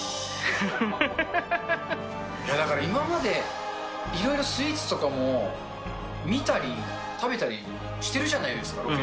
だから今まで、いろいろスイーツとかも見たり食べたりしてるじゃないですか。